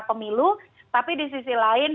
pemilu tapi di sisi lain